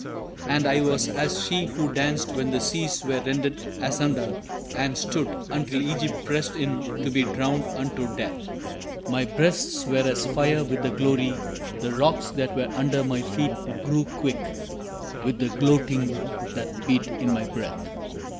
And I was as she who danced when the Seas were rended asunder And stood, until Egypt pressed in to be drowned unto death. My breasts were as fire with the glory, the rocks that were under My feet grew quick with the gloating that beat in my breath.